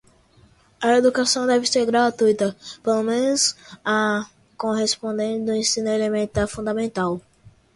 A educação deve ser gratuita, pelo menos a correspondente ao ensino elementar fundamental.